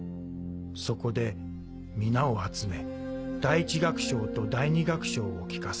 そこで皆を集め第一楽章と第二楽章を聞かせた。